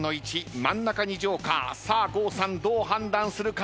真ん中にＪＯＫＥＲ郷さんどう判断するか？